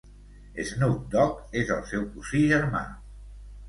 Snoop Dogg és el seu cosí germà.